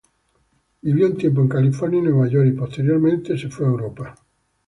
Vivió un tiempo en California y Nueva York y posteriormente viajó a Europa.